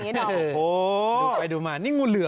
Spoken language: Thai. ปละไหลตัวยาวไปหน่อยหรือเปล่า